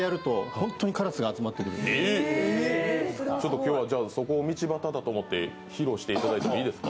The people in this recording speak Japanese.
今日はそこを道端だと思って披露していただいていいですか？